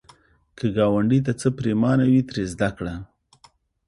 که ګاونډي ته څه پرېمانه وي، ترې زده کړه